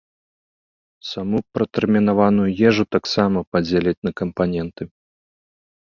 Саму пратэрмінаваную ежу таксама падзеляць на кампаненты.